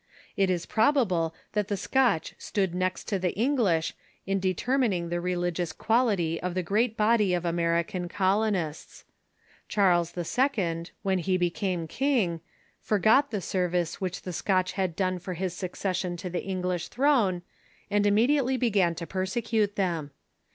It is probable that the Scotch stood next to the English in determining the religious qual Ouota'^ ity of the great body of American colonists. Charles II., Avhen he became king, forgot the service which the Scotch had done for his succession to the English throne, and immediately began to persecute them.